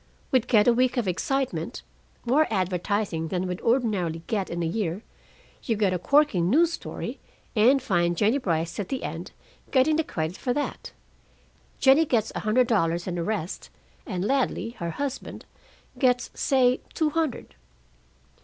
We'd get a week of excitement, more advertising than we'd ordinarily get in a year; you get a corking news story, and find Jennie Brice at the end, getting the credit for that. Jennie gets a hundred dollars and a rest, and Ladley, her husband, gets, say, two hundred.'